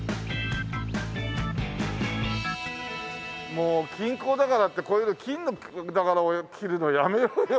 もう金鉱だからってこういうの金の着るのやめようよ。